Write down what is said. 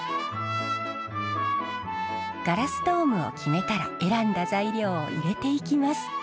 ガラスドームを決めたら選んだ材料を入れていきます。